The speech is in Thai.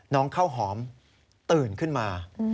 น้องข้าวหอมตื่นขึ้นมา